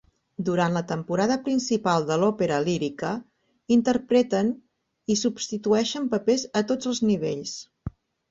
Durant la temporada principal de l'òpera lírica, interpreten i substitueixen papers a tots els nivells.